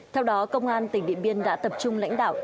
theo đó công an tỉnh điện biên đã tập trung lãnh đạo